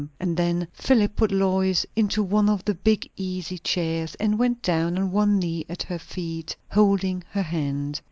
And then Philip put Lois into one of the big easy chairs, and went down on one knee at her feet, holding her hand.